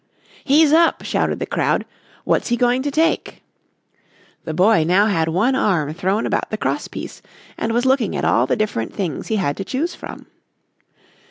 "He's up," shouted the crowd. "What's he going to take?" The boy now had one arm thrown about the crosspiece and was looking at all the different things he had to choose from.